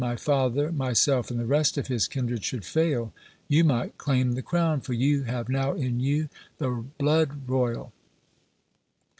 my father, myself, and the rest of his kindred should fail, you might claim the crown, for you have now in you the blood royal."